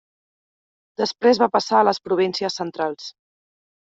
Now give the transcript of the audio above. Després va passar a les províncies Centrals.